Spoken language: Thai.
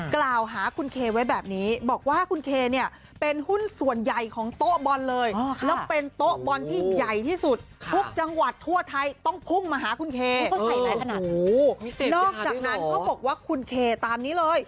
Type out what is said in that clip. กล่าวหาคุณเคเค้ไว้แบบนี้บอกว่าคุณเคเค้นี่เป็นหุ้นส่วนใหญ่ของโต๊ะบอลและเป็นโต๊ะบอลของคุณเคเค้ที่สุดทั่วไถ่ผมเอาคลั่งหาคุณเคเค้